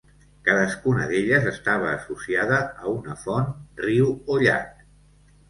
Cadascuna d'elles estava associada a una font, riu o llac.